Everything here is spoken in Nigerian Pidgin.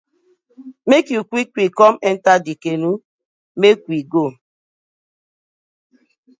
Mek yu quick quick kom enter dey canoe mek we go.